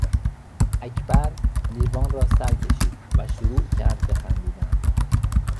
اکبر لیوان را سر کشید و شروع کرد به خندیدن.